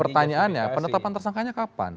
pertanyaannya penetapan tersangkanya kapan